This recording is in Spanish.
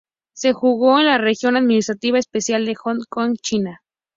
Se jugó en la Región Administrativa Especial de Hong Kong, China.